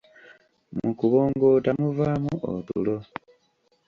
Mu kubongoota muvaamu otulo.